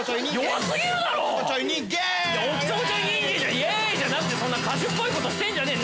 イエーイじゃなくてそんな歌手っぽいことしてんじゃねえ。